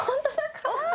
かわいい。